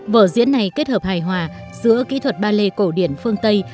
vở diễn này kết hợp hài hòa giữa kỹ thuật ballet cổ điển phương tây